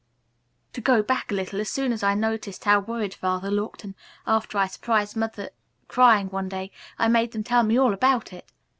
"To go back a little, as soon as I noticed how worried Father looked, and after I surprised Mother crying one day, I made them tell me all about it.